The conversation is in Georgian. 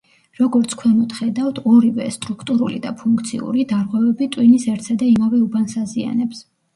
როგორც ქვემოთ ხედავთ, ორივე, სტრუქტურული და ფუნქციური, დარღვევები ტვინის ერთსა და იმავე უბანს აზიანებს.